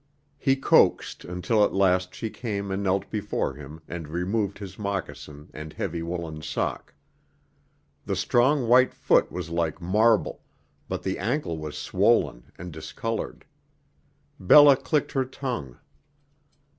He coaxed until at last she came and knelt before him and removed his moccasin and heavy woolen sock. The strong white foot was like marble, but the ankle was swollen and discolored. Bella clicked her tongue.